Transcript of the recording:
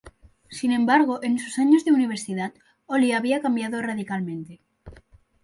Sin embargo, en sus años de universidad, Ollie había cambiado radicalmente.